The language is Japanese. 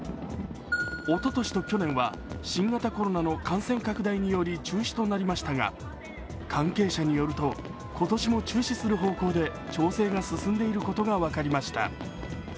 おととしと去年は新型コロナの感染拡大により中止となりましたが関係者によると今年も中止する方向で調整が進んでいることが分かりました。